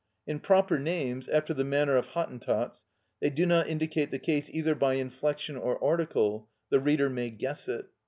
In proper names, after the manner of Hottentots, they do not indicate the case either by inflection or article: the reader may guess it.